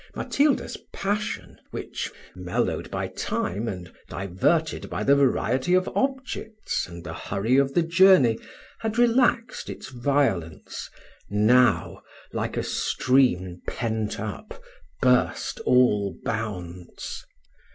Matilda's passion, which, mellowed by time, and diverted by the variety of objects, and the hurry of the journey, had relaxed its violence, now, like a stream pent up, burst all bounds.